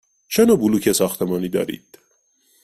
چه نوع بلوک ساختمانی دارید؟